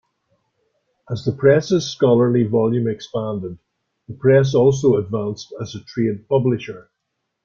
As the Press's scholarly volume expanded, the Press also advanced as a trade publisher.